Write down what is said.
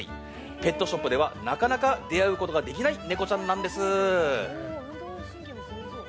ペットショップではなかなか出会うことができないネコちゃんなんです。